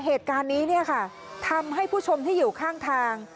เหตุการณ์นี้ทำให้ผู้ชมที่อยู่ข้างทาง